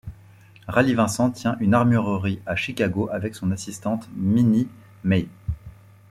Rally Vincent tient une armurerie à Chicago avec son assistante Minnie Mey.